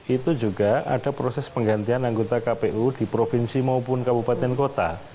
itu juga ada proses penggantian anggota kpu di provinsi maupun kabupaten kota